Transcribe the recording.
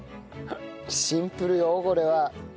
シンプルよこれは。